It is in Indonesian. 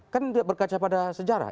kan berkaca pada sejarah